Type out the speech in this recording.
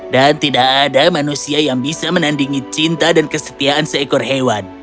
tidak ada manusia yang bisa menandingi cinta dan kesetiaan seekor hewan